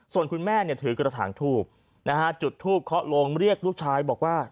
ส่วนคุณแม่ถือกระถางทูบนะฮะจุดทูบเคาะลงเรียกลูกชายบอกว่า